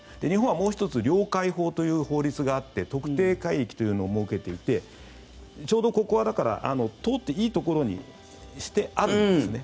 日本はもう１つ領海法という法律があって特定海域というのを設けていてちょうどここは通っていいところにしてあるんです。